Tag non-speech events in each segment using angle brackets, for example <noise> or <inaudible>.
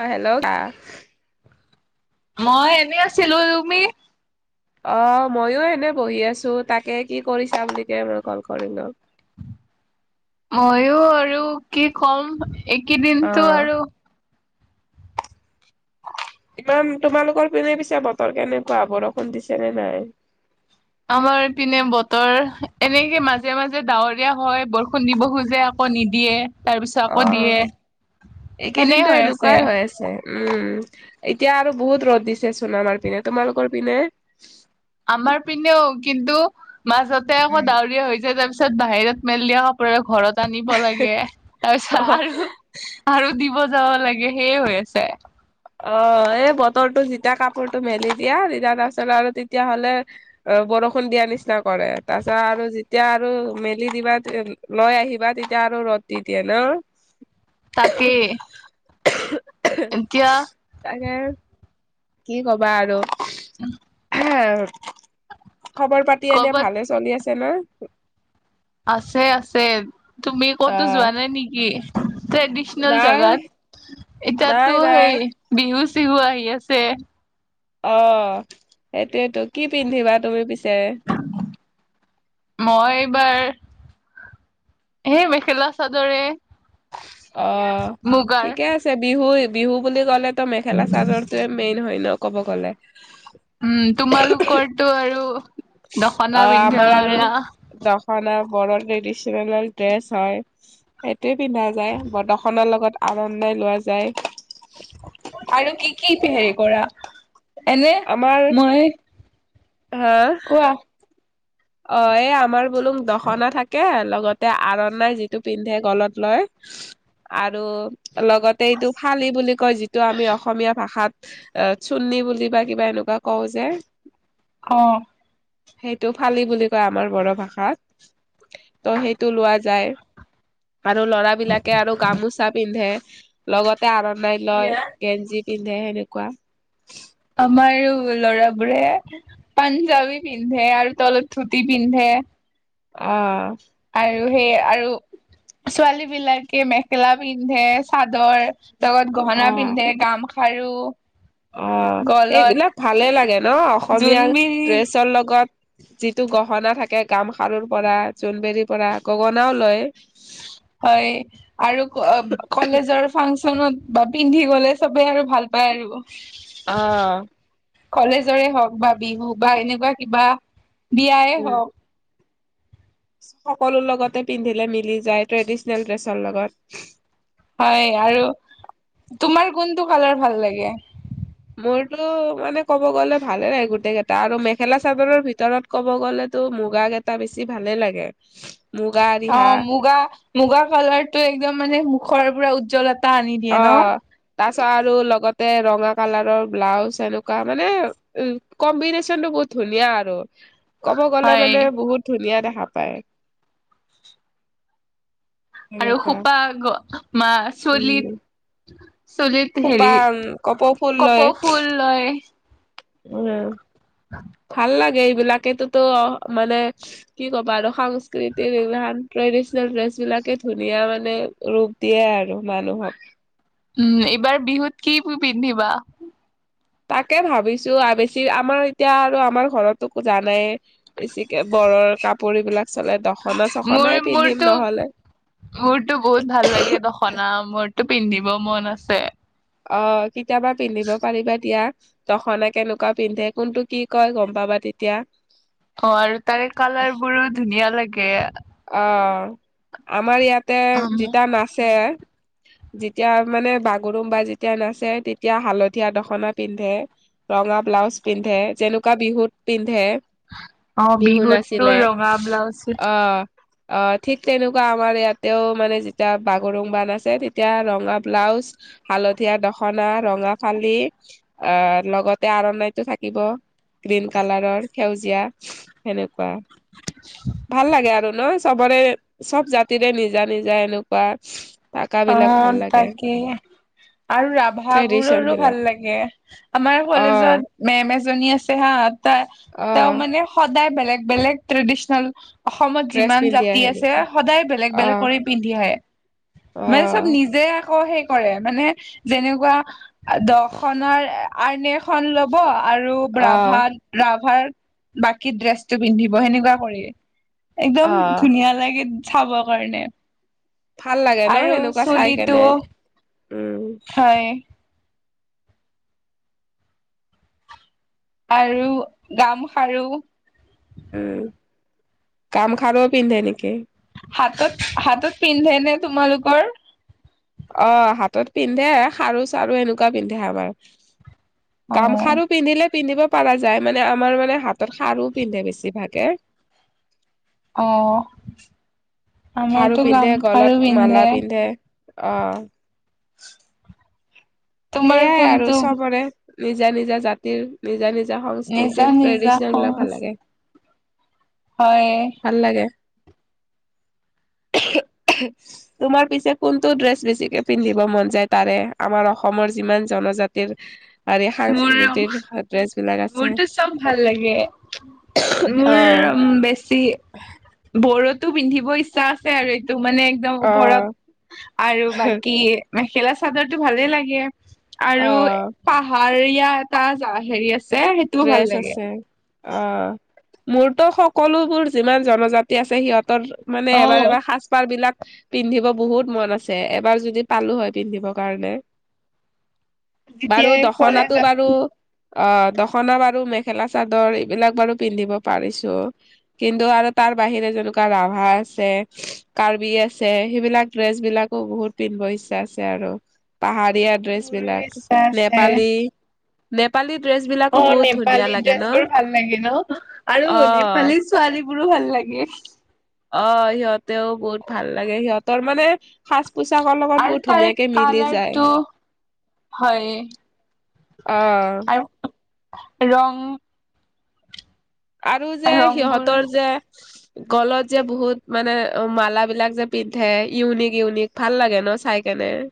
অ hello. মই এনেই আছিলো তুমি। অ মইো এনে বহি আছো তাকে কি কৰিছা বুলিকে মই কল কৰিলো। ময়ো আৰু কি কম অ একেইদিনতটো আৰু। <unintelligible> ইমান তোমালোকৰ পিনে পিছা বতৰ কেনেকুৱা বৰষুণ দিছে নে নাই। আমাৰ পিনে বতৰ এনেকে মাজে মাজে ডাৱৰীয়া হয় বৰষুণ দিব খোজে আকৌ। ক নিদিয়ে। তাৰ পিছত অ আকৌ দিয়ে সেনে এইকেইদিনতো হৈ আছে এনেকুৱাই হৈ আছে উম। এতিয়া আৰু বহুত ৰ'দ দিছে চনামাৰ পিনে তোমালোকৰ পিনে। আমাৰ পিনেও কিন্তু মাজতে আকৌ ডাউৰীয়া হৈ যায় তাৰ পিছত বাহিৰত মেল দিয়া কাপোৰৰে ঘৰত। জানিব লাগে অ তাৰপিছত আৰু। আৰু দিব যাব লাগে সেইয়ে হৈ আছে। অ এই বতৰটো যেতিয়া কাপোৰটো মেলি দিয়া তোৰ তাৰপাছল আৰু তেতিয়া হ'লে অ। বৰষুণ দিয়া নিচিনা কৰে তাৰ পাছত আৰু যেতিয়া আৰু মেলি দিবা লৈ আহিবা তেতিয়া। ৰ দিয়া ন। তাকে। <unintelligible> এতিয়া। তাকে কি কবা আৰু <unintelligible> খবৰ পাতি এনে কৰ'বাত ভালে চলি আছে না? আছে- আছে তুমি কতো আহ যোৱা নাই নেকি? ট্ৰেডিচনেল নাই জেগাত নাই এতিয়াতো নাই সেই বিহু চিহু আহি আছে অহ, সেইটোয়েইটো কি পিন্ধিবা তুমি পিছে? মই এইবাৰ হে মেখেলা চাদৰে। অহ, মুগাৰ ঠিকে আছে বিহু -বিহু বুলি ক'লে ত'মেখেলা- চাদৰ তোয়ে মেইন হয় ন' ক'ব গ'লে। উম, তোমালোকৰ তো আৰু দখনা অহ, পিন্ধা আমাৰ আৰু কৰা দখনা বড়ো ট্ৰেডিচনেল ড্ৰেছ হয় সেইটোই পিন্ধা যাই বড়োখনৰ লগত আনন্দে লোৱা যায়। আৰু কি- কি হেৰি কৰা এনে আমাৰ মই হা কোৱা অহ, এই আমাৰ বোলো দখনা থাকে লগতে আৰণাই যিটো পিন্ধে গলত লয়, আৰু লগতে এইটো ফালি বুলি কয় যিটো আমি অসমীয়া ভাষাত অহ, চুৰ্ণী বুলি বা কিবা এনেকুৱা কওঁ যে অহ সেইটো ফালি বুলি কয় আমাৰ বড়ো ভাষাত ত' সেইটো লোৱা যায়। আৰু ল'ৰা বিলাকে আৰু গামোচা পিন্ধে লগতে আৰনাই লয় গেঞ্জি পিন্ধে সেনেকুৱা আমাৰ ল'ৰাবোৰে পাঞ্জাবী পিন্ধে আৰু তলত ধুতি পিন্ধে। অহ ', আৰু সেই আৰু ছোৱালী বিলাকে মেখেলা পিন্ধে চাদ চাদৰ লগত গহনা পিন্ধে গামখাৰু অহ, গলত এইবিলাক ভালে লাগে ন অসমীয়াৰ জোনবিৰি ড্ৰেছৰ লগত। যিটো গহনা থাকে গামখাৰুৰ পৰা জোনবেৰিৰ পৰা গগনাও লয় হয়, আৰু কলেজৰ ফাংচন ফাঞ্চনত বা পিন্ধি গ'লে সবে আৰু ভাল পায় আহিব। অহ কলেজৰে হওক বা বিহু বা এনেকুৱা কিবা বিয়াই উম হওক সকলো লগতে পিন্ধিলে মিলি যায় ট্ৰেডিস্বনেল ড্ৰেছৰ লগত। হয় আৰু তোমাৰ কোনটো কালাৰ ভাল লাগে? মোৰতো মানে ক'ব গ'লে ভালে লাগে গোটেইকেইটা আৰু মেখেলা চাদৰৰ ভিতৰত ক'ব গ'লেটো মুগা কেইটা বেছি ভালে লাগে। মুগা ৰিহা অ', মুগা- মুগা কালাৰ টো একদম মানে মুখৰ পৰা উজ্জ্বল তা আনি দিয়ে ন', তাৰছত আৰু লগতে ৰঙা কালাৰৰ ব্লাউজ এনেকুৱা মানে উ কম্বেইনেশ্বন টো বহুত ধুনীয়া আৰু ক'ব গ'লে হয় মানে বহুত ধুনীয়া দেখে হাপাই আৰু খোপা মা উম, চুলিত চুলিত খোপা হেৰি কপৌ কপৌ ফুল লয়। উ-ঙ্গেও ভাল লাগে এইবিলাকেতোটো মানে কি ক'বা আৰু সাংস্কৃতিৰ এইবিলাক <unintelligible> ট্ৰেডিচনেল ড্ৰেছ বিলাকে ধুনীয়া মানে ৰূপ দিয়ে আৰু মানুহক। উম এইবাৰ বিহুত কি পিন্ধিবা? তাকে ভাবিছো বেছি আমাৰ এতিয়া আৰু আমাৰ ঘৰতো খোজা নাই। বেছিকে ঘৰৰ কাপোৰবিলাক চলে দখনা মোৰ চখনাই পিন্ধিম মোৰতো নহলে। মোৰতো বহুত ভাল লাগে দখনা মোৰটো পিন্ধিব মন আছে। অ কেতিয়াবা পিন্ধিব পাৰিবা দিয়া দখনা কেনেকুৱা পিন্ধে কোনটো কি কয় গম পাবা। তেতিয়া। অ আৰু তাৰে কালাৰ বোৰো ধুনীয়া লাগে। অ আমাৰ ইয়াতে যেতিয়া নাচে। <unintelligible> যেতিয়া মানে বাগৰুমবা যেতিয়া নাচে তেতিয়া হালধীয়া দখনা পিন্ধে ৰঙা। ব্লাউজ পিন্ধে যেনেকুৱা বিহুত পিন্ধে। অ বিহু বিহুততো নাছিলে ৰঙা ব্লাউজ অহ। অ ঠিক তেনেকুৱা আমাৰ ইয়াতেও মানে যেতিয়া বাগৰুংবা আছে তেতিয়া ৰঙা ব্লাউজ। হালধীয়া দখনা ৰঙা ফালি আহ লগতে আৰণাইতটো থাকিব। গ্ৰীণ কালাৰৰ সেউজীয়া সেনেকুৱা ভাল লাগে আৰু। ন চবৰে চব জাতিৰে নিজা নিজা এনেকুৱা। থাকা অ বিলাক ভাল লাগে। তাকে। আৰু ট্ৰেডিচন ৰাভবোৰৰো বিলাক ভাল লাগে আমাৰ অ'। কলেজত মেম এজনী আছে হা। তেওঁ অ', মানে সদায় বেলেগ বেলেগ ট্ৰেডিস্বনেল। অসমত ড্ৰেছ যিমান পিন্ধি জাতি আহে আছে নেকি? সদায় বেলেগ বেলেগ অ', কৰি পিন্ধি আহে। মানে চব অ', নিজে আকৌ সেই। কৰে মানে যেনেকুৱা দ আ নখন ল'ব আৰু। আৰু ৰাভা অ', ৰাভাৰ বাকী ড্ৰেছটো পিন্ধিব সেনেকুৱা কৰি। একদম অ', ধুনীয়া লাগে চাবৰ কাৰণে। ভাল লাগে ন আৰু সেনেকুৱা চাই চুলিটো কেনে উম। হয় আৰু গামখাৰু। গাম খাৰ পিন্ধে নেকি। হাতত হাতত পিন্ধে নে তোমালোকৰ। অ হাতত পিন্ধে খাৰু চাৰু এনেকুৱা পিন্ধে আমাৰ। অ গামখাৰু পিন্ধিলে। পিন্ধিব পৰা যায় মানে আমাৰ মানে হাতত সাৰো পিন্ধে বেছিভাগে। অ খাৰু আমাৰতো পিন্ধে গাম গলত খাৰু মালা পিন্ধে। অ। তোমাৰ সেইয়াই আৰু কোনটো চবৰে নিজা নিজা জাতিৰ নিজা নিজা। নিজা সংস্কৃতিৰ নিজা ট্ৰেডিচনেল বিলাক সজ ভাল লাগে। হয়। ভাল লাগে। তোমাৰ পিছে কোনটো ড্ৰেছ বেছিকে পিন্ধম। যায় তাৰে আমাৰ অসমৰ যিমান জনজাতিৰ। আৰে মোৰ সাংস্কৃতিৰ ড্ৰেছ বিলাক আছে মোৰটো চব ভাল লাগে। অ মোৰ বেছি বোৰতো পিন্ধিব ইচ্ছা আছে আৰু। ত মানে একদম অ ওপৰত। আৰু বাকী মেখেলা চাদৰ টো ভালে লাগে অ আৰু পাহ। আৰু ইয়া এটা হেৰি আছে। সেইটোও ভাল ড্ৰেছ লাগে আছে অ। মোৰতো সকলোবোৰ যিমান জনজাতি আছে সিহঁতৰ মানে অ এবাৰ এবাৰ সাজ পাৰ বিলাক। পিন্ধিব বহুত মন আছে এবাৰ যদি পালো হয় পিন্ধিব কাৰণে। বাৰু যেতিয়াই দখনাটো কলেজত বাৰু অ দ। খনা বাৰু মেখেলা চাদৰ এইবিলাক বাৰু পিন্ধিব পাৰিছো কিন্তু আৰু তাৰ বাহিৰে যেন। ৰাভা আছে কাৰ্বি আছে সেইবিলাক ড্ৰেছ বিলাকো বহুত পিন্ধিব ইচ্ছা আছে আৰু। আৰু পাহাৰীয়া ডেছ মোৰো বিলাক ইচ্ছা আছে নেপালী নেপালী ডেছ বিলাক। অ নেপালী ড্ৰেছ বোৰ ভাল লাগে ন আৰু অ নেপালী ছোৱালীৰ। মোৰো ভাল লাগে। অ সিহঁতেও বহুত ভাল লাগে সিহঁতৰ মানে হাছ। পোচাকৰ লগত আৰু বহুত তাৰে ধুনীয়াকে মিলি যায়। কালাৰটো হয় অ। আৰু ৰং। আৰু যে ৰংবোৰ সিহঁতৰ যে। গলত যে বহুত মানে অ মালাবিলাক যে পিন্ধে ইউনিক ইউনিক ভাল লাগে ন চাই কেনে। নেৰ।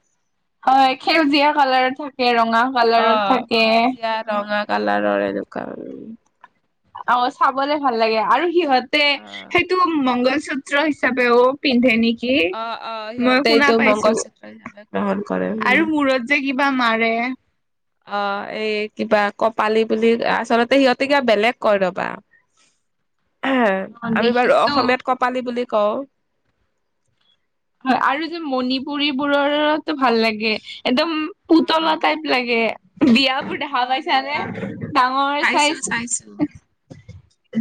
<unintelligible> হয় সেউজীয়া কালাৰত থাকে ৰঙা অ কালাৰত থাকে। কাল। অ চাবলে ভাল লাগে আৰু সিহঁতে অ সেইটো মংগল। চূত্ৰ হিচাপেও পিন্ধে নেকি। অ অ কিৰ মই সিহঁতে শুনা এইটো পাইছো মংগলসূত্ৰ হিচাপে গ্ৰহণ কৰে আৰু উম মৰত যে কিবা মাৰো। ৰে। অ এই কিবা কপালি বুলি আচলতে সিহঁতে কিবা বেলেগ কয় ৰবা। <unintelligible> এহ অ আমি বাৰু দেখিছো অসমীয়াত কপালি বুলি কওঁ। হয় আৰু যে মণিপুৰীবোৰৰো ভাল লাগে। একদম অ পুতলা টাইপ লাগে। বিয়াবোৰ অ দেখা পাইছানে সিহঁতৰ ডাঙৰ চাইছো চাইজ। চাইছো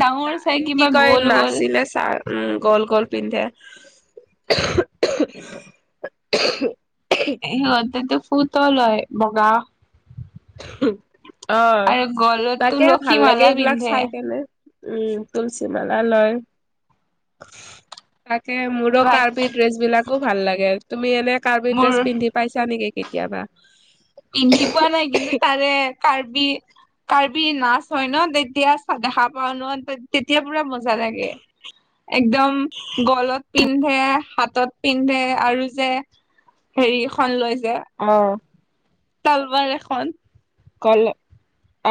ডাঙৰ চাই এই কি কিবা কয় গ'ল গ'ল। নাচিলে চা উম গল গ'ল পিন্ধে। সিহঁতেতো ফুত লয় বগা। অ আৰু গলত তাকে তুলসী ভাল লাগে মালা এইবিলাক পিন্ধে চাই কেনে। উম তুলসী মালা লয়। ত মোৰো বা কাৰ্বি ড্ৰেছ বিলাকো ভাল লাগে তুমি এনে কাৰ্বি মোৰ ড্ৰেছ পিন্ধি পাইছা নেকি। কেতিয়াবা। পিন্ধি পোৱা নাই কিন্তু তাৰে কাৰ্বি। কাৰ্বি নাচ হয় ন তেতিয়া দেখা পাওঁ ন তেতিয়া পুৰা মজা লাগে। একদম গলত পিন্ধে হাতত পিন্ধে আৰু যে হেৰিখন লৈছে। অ। তালবাৰ এখন। কল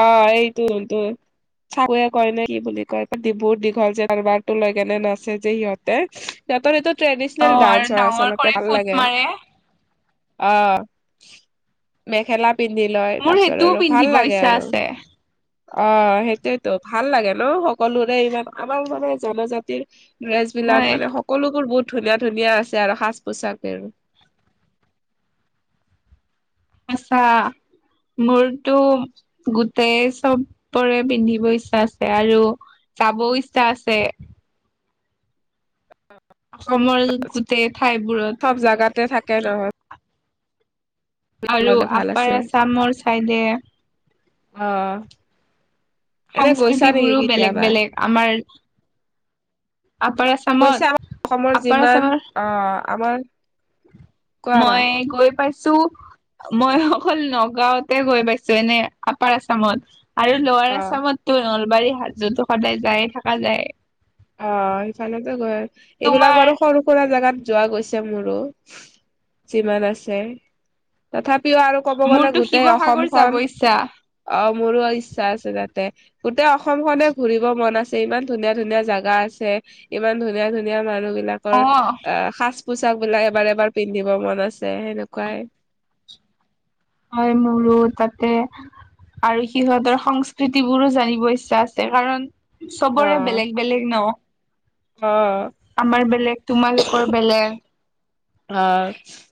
অ এইটো টো। চাকুৱে কয় নে কি বুলি কয় বহুত দীঘল যে টালবাৰতো লৈ কেনে নাছে যে সিহঁতে সিহঁতৰ সেইটোত। অ ট্ৰেডিচনেল ডান্স আৰু হয় ডাঙৰ আচলতে কৰি ভাল ফুট লাগে। মাৰে অ মেখেলা পিন্ধি লয়। মোৰ তাৰ পিছত সেইটোও আৰু ভাল পিন্ধিব লাগে ইচ্ছা আৰু। আছে অ সেইটোয়েতো ভাল লাগে ন সকলোৰে ইমান আমাৰ মানে জনজাতিৰ। ড্ৰেছ বিলাক হয় মানে সকলোবোৰ বহুত। ধুনীয়া ধুনীয়া আছে আৰু সাজ পোছাকে আৰু। আতছা। মোৰতো গোটেই চবৰে পিন্ধিব ইচ্ছা আছে আৰু। চাব ইচ্ছা আছে। অসমৰ গোটেই ঠাইবোৰত। চব জাগাতে থাকে নহয়। আৰু ভাল আপাৰ আছে আছামৰ চাইডে। অ। এনে গৈছা নেকি সংস্কৃতিবোৰো বেলেগ কেতিয়াবা বেলেগ আমাৰ। আপাৰ আছামত অৱশ্যে আমাৰ অসমৰ আপাৰ যিমান আছামৰ অ আমাৰ কোৱা কোৱা মই গৈ পাইছো ছো মই অকল নগাঁওতে গৈ পাইছো এনে আপাৰ আছামত আৰু লোৱাৰ অ আচামতো নলবাৰীৰ হাজতো সদায় যায়ে থাকা যায় অ সিফালেটো গৈ এইবিলাক তোমাৰ বাৰু সৰু সুৰা জাগাত যোৱা গৈছে মোৰো যিমান আছে তথাপি প্ৰিয় আৰু ক'ব গ'লে মোৰতো গোটেই শিৱসাগৰ অসমখন যাব ইচ্ছা অ মোৰো ইচ্ছা আছে তাত গোটেই অসম খনে ঘুৰিব মন আছে ইমান ধুনীয়া ধুনীয়া জাগা গা আছে ইমান ধুনীয়া ধুনীয়া মানুহ বিলাকৰ অ অ সাজ পোচাক বিলাক এবাৰ এবাৰ পিন্ধিব মন আছে সেনেকোৱাই হয় মোৰো তাতে আৰু সিহঁতৰ সংস্কৃতি বোৰো জানিব ইচ্ছা আছে কাৰণ অ চবৰে বেলেগ বেলেগ ন অ আমাৰ বেলেগ তোমালোকৰ বেলেগ অ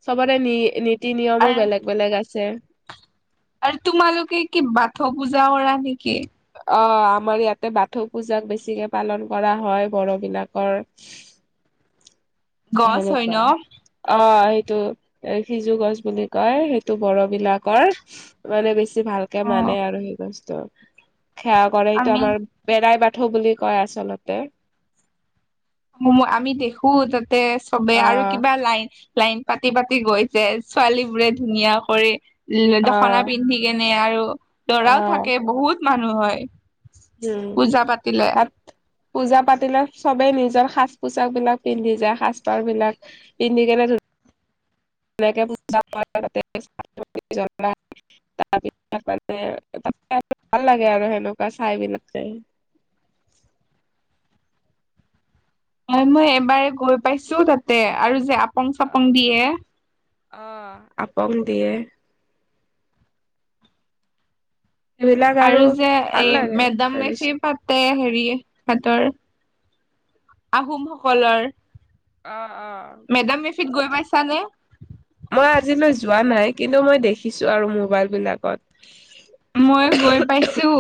চবৰে নি নীতি নিয়মো আৰু বেলেগ বেলেগ আছে আৰু তোমালোকে কি বাথৌ পূজা কৰা নেকি অ আমাৰ ইয়াতে বাথৌ পূজাক বেছিকে পালন কৰা হয় বড়ো বিলাকৰ <inaudible> গছ হয় সেনেকোৱা ন? অ যিটো এ সিজু গছ বুলি কয় সেইটো বড় বিলাকৰ মানে বেছি ভালকে অ' মানে আৰু সেই গছটো সেৱা কৰে এইটো আমি আমাৰ বেৰাই বা বুলি কয় আচলতে আমি দেখো তাতে চবে আৰু অ', কিবা লাইন লাইন পাতি পাতি গৈছে ছোৱালী বোৰে ধুনীয়া কৰি ও দখনা অ', পিন্ধি কিনে মানে আৰু লৰাও থাকে বহুত মানুহ হয়। উম পূজা পাতিলে। তাত পূজা পাতিলে চবেই নিজ, সাজ পোছাক বিলাক পিন্ধি যায় সাজ পাৰ বিলাক পিন্ধি কিনে ধুনীয়া ে <unintelligible> তাৰপিছত মানুহে লাহেকৈ ভাল লাগে আৰু সেনেকোৱা চাই বিলাকে হয় মই এবাৰে গৈ পাইছো তাতে আৰু যে আপং চাপং দিয়ে। অহ আপং দিয়ে। আৰু যে ভাল এই লাগে মেডাম মেফি ট্ৰেডিচন। পাতে হেৰি ইহঁতৰ আহোমসকলৰ অ। মেডাম মেফিত গৈ পাইছানে? মই আজিলৈ যোৱা নাই কিন্তু মই দেখিছো আৰু মোবাইল বিলাকত। মই গৈ পাইছো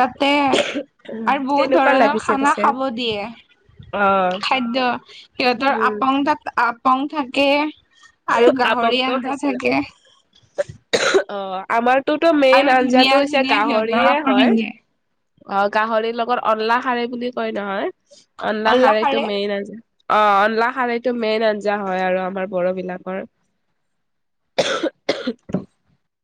তাতে। আৰু বহুত কেনেকুৱা ধৰণৰ লাগিছে খানা পিছে? খাব দিয়ে। অ', খাদ্য সিহঁতৰ উম, আপং থা আপং থাকে। আৰু গাহৰি আপংটো আঞ্জা খাইছিলো। থাকে। অ আমাৰটোতো মেইন আৰু আঞ্জাটো ধুনীয়া হৈছে ধুনীয়া সিহঁতৰ গাহৰিয়ে কাপোৰ হয়। পিন্ধে অ গাহৰিৰ লগত অনলা খাৰে বুলি কয় নহয় অনলা খাৰটো অল্লাহাৰে মেইন আজ অ অনলা খাৰেটো মেইন আঞ্জা হয় আৰু আমাৰ বডো বিলাক কৰ